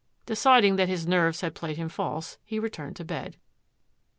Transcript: Deciding that his nerves had played him false, he returned to bed.